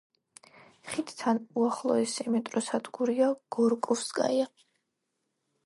ხიდთან უახლოესი მეტროსადგურია „გორკოვსკაია“.